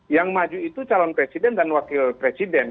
yang maju itu calon presiden dan wakil presiden